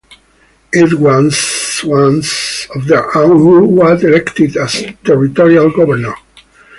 It was one of their own who was elected as territorial governor.